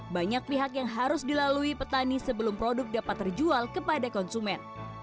banyak pihak yang harus dilalui petani sebelum produk dapat terjual kepada konsumen